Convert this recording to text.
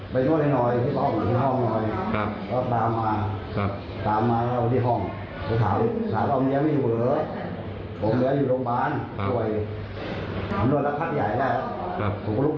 แล้วมันรู้สิว่าเขาไม่แจ้งความรู้สิว่าแจ้งความมันน้อยอยู่